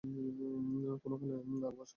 কোনোখানে আলো আসবার এতটুকু পথ নেই।